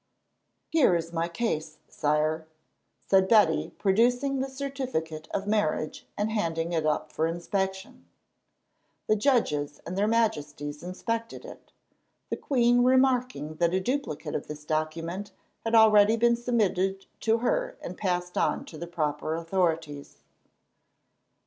"Here is my case, Sire," said Betty, producing the certificate of marriage and handing it up for inspection. The judges and their Majesties inspected it, the queen remarking that a duplicate of this document had already been submitted to her and passed on to the proper authorities.